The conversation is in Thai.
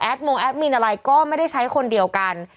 มงแอดมินอะไรก็ไม่ได้ใช้คนเดียวกัน